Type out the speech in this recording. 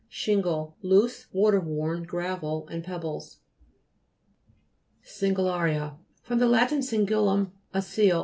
SHIITGLE Loose, water worn gravel and pebbles. SIGILLA'RIA fr. lat. si'gillum, a seal.